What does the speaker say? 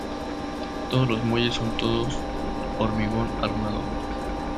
Todos los muelles son Todos hormigón armado.